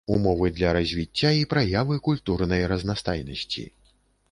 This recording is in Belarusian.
Умовы для развіцця і праявы культурнай разнастайнасці.